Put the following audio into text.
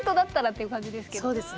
そうですね。